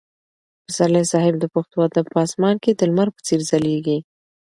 پسرلي صاحب د پښتو ادب په اسمان کې د لمر په څېر ځلېږي.